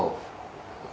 khuyến khích của bác sĩ